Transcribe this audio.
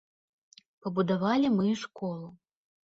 Пабудавалі мы і школу.